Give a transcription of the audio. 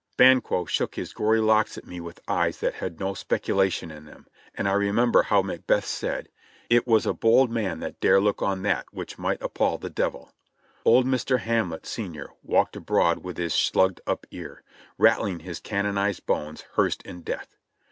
"Banquo" shook his gory locks at me with eyes that had no speculation in them, and I remember how Macbeth said : "It was a bold man that dare look on that which might appal the Devil." Old Mr. Hamlet, Sr., walked abroad Vvith his slugged up ear, rattling his "canonized bones hearsed in death."